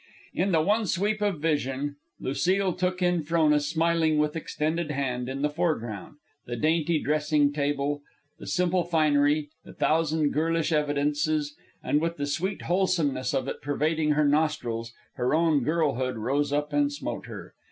In the one sweep of vision, Lucile took in Frona smiling with extended hand in the foreground, the dainty dressing table, the simple finery, the thousand girlish evidences; and with the sweet wholesomeness of it pervading her nostrils, her own girlhood rose up and smote her.